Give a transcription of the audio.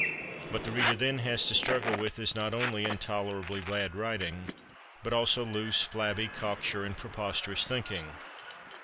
What the reader then has to struggle with is not only intolerably bad writing, but also loose, flabby, cocksure and preposterous thinking....